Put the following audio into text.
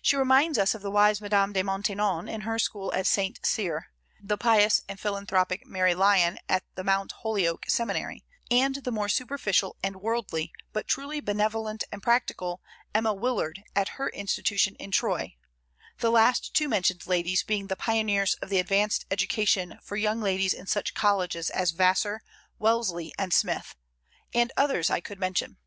She reminds us of the wise Madame de Maintenon in her school at St. Cyr; the pious and philanthropic Mary Lyon at the Mount Holyoke Seminary; and the more superficial and worldly, but truly benevolent and practical, Emma Willard at her institution in Troy, the last two mentioned ladies being the pioneers of the advanced education for young ladies in such colleges as Vassar, Wellesley, and Smith, and others I could mention.